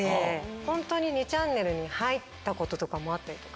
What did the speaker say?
ホントに「２ちゃんねる」に入ったこととかもあったりとか。